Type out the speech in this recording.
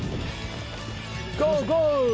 ゴーゴー！